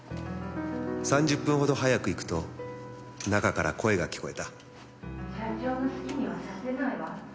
「３０分ほど早く行くと中から声が聞こえた」社長の好きにはさせないわ。